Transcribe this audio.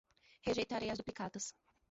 Rejeitarei as duplicatas